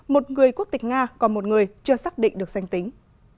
một người quốc tịch nga còn một người chưa xác định được danh tính